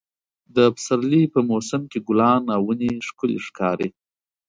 د پسرلي په موسم کې ګلان او ونې ښکلې ښکاري.